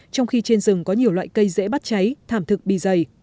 trong khi trên rừng có nhiều loại cây dễ bắt cháy thảm thực bị dày